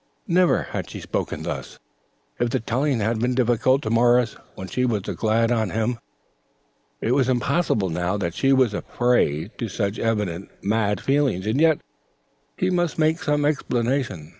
Never had she spoken thus. If the telling had been difficult to Morris when she was "glad on him," it was impossible now that she was a prey to such evident "mad feelings." And yet he must make some explanation.